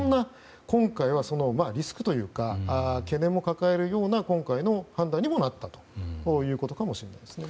今回は、リスクというか懸念を抱えるような今回の判断にもなったということかもしれないですね。